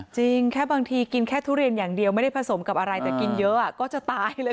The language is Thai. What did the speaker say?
จริงแค่บางทีกินแค่ทุเรียนอย่างเดียวไม่ได้ผสมกับอะไรแต่กินเยอะก็จะตายเลย